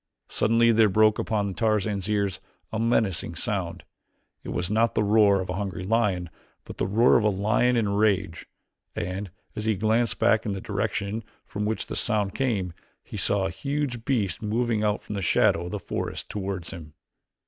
Suddenly there broke upon Tarzan's ears a menacing sound. It was not the roar of a hungry lion, but the roar of a lion in rage, and, as he glanced back in the direction from which the sound came, he saw a huge beast moving out from the shadow of the forest toward him.